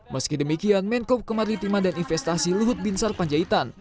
meski demikian menkop kemaritima dan investasi luhut binsar panjaitan